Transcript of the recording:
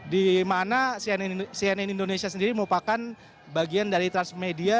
di mana cnn indonesia sendiri merupakan bagian dari transmedia